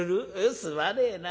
すまねえな。